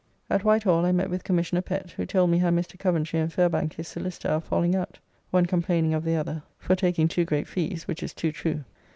At Whitehall I met with Commissioner Pett, who told me how Mr. Coventry and Fairbank his solicitor are falling out, one complaining of the other for taking too great fees, which is too true.